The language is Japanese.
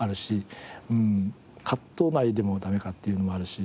カット内でもダメかっていうのもあるし。